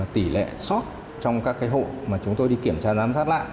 tỷ lệ sót trong các hộ mà chúng tôi đi kiểm tra giám sát lại